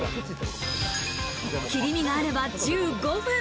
切り身があれば１５分。